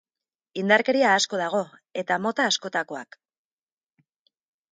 Indarkeria asko dago eta mota askotakoak.